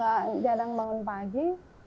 biasanya jarang bangun pagi